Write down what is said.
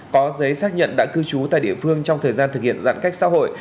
có giấy xác nhận đã cư trú tại địa phương trong thời gian thực hiện giãn cách xã hội